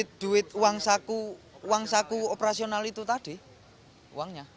duit uang saku operasional itu tadi uangnya